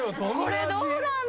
これどうなんだろう？